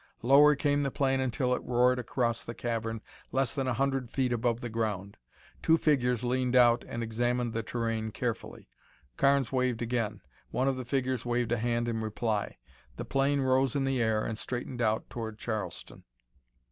Lower came the plane until it roared across the cavern less than a hundred feet above the ground. Two figures leaned out and examined the terrain carefully. Carnes waved again. One of the figures waved a hand in reply. The plane rose in the air and straightened out toward Charleston.